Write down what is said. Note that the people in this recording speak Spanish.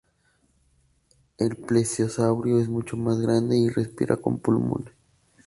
El plesiosaurio es mucho más grande y respira con pulmones.